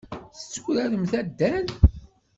Tetturaremt addal?